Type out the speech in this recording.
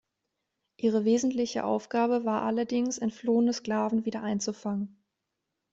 Ihre wesentliche Aufgabe war allerdings, entflohene Sklaven wieder einzufangen.